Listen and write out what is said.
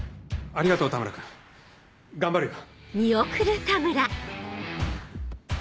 ありがとう田村君頑張るよ。